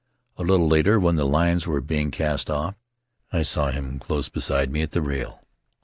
A little later, when the lines were being cast off, I saw him close beside me at the rail.